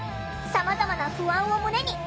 さまざまな不安を胸に入店。